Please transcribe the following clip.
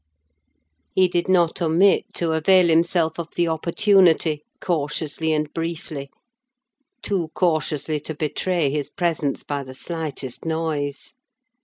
He did not omit to avail himself of the opportunity, cautiously and briefly; too cautiously to betray his presence by the slightest noise.